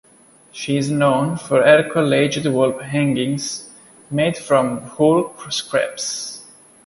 She is known for her collaged wall hangings made from wool scraps.